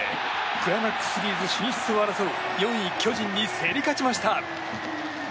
クライマックスシリーズ進出を争う４位、巨人に競り勝ちました。